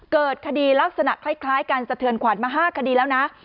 เกิดคดีลักษณะคล้ายกันสะเทือนขวัญมา๕คดีแล้วนะ